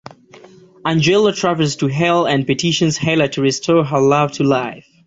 Angela travels to Hel and petitions Hela to restore her love to life.